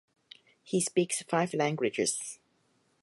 He speaks five languages.